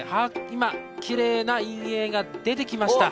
今きれいな印影が出てきました。